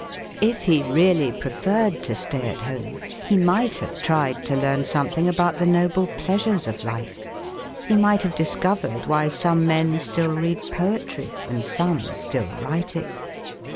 If he really preferred to stay at home he might have tried to learn something about the noble pleasures of ' life. He might have discovered why some men still read poetry and some still write it